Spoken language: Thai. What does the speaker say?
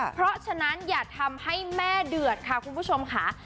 เพราะฉะนั้นอย่าทำให้แม่เดือดค่ะคุณผู้ชมค่ะ